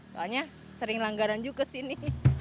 soalnya sering langgaran juga ke sini